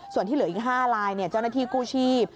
ส่วนที่เหลืออีก๕ลายเจ้าหน้าที่กู้ชีพ